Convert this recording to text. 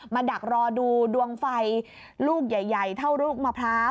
ดักรอดูดวงไฟลูกใหญ่เท่าลูกมะพร้าว